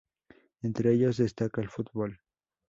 Entre ellos destaca el fútbol.